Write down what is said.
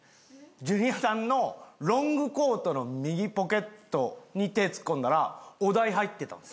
ジュニアさんのロングコートの右ポケットに手突っ込んだらお題入ってたんですよ。